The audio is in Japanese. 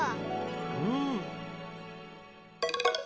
うん。